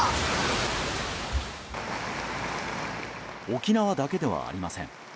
沖縄だけではありません。